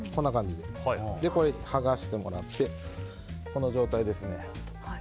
剥がしてもらってこの状態ですね。